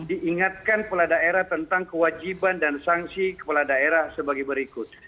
diingatkan kepala daerah tentang kewajiban dan sanksi kepala daerah sebagai berikut